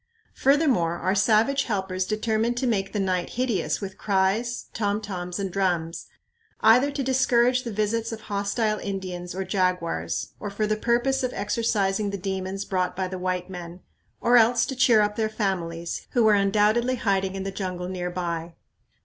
Furthermore, our savage helpers determined to make the night hideous with cries, tom toms, and drums, either to discourage the visits of hostile Indians or jaguars, or for the purpose of exorcising the demons brought by the white men, or else to cheer up their families, who were undoubtedly hiding in the jungle near by.